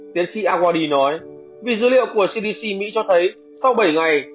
tiến sĩ awadi nói vì dữ liệu của cdc mỹ cho thấy sau bảy ngày